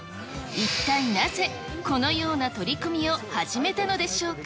一体なぜ、このような取り組みを始めたのでしょうか。